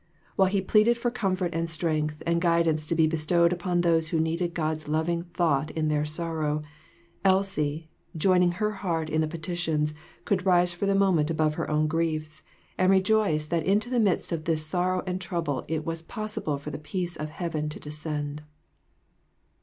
While he pleaded for comfort and strength and guidance to be bestowed upon those who needed God's loving thought in their sorrow, Elsie, joining her heart in the petitions, could rise for the moment above her own griefs, and rejoice that into the midst of this sorrow and trouble it was possible for the peace of heaven to descend.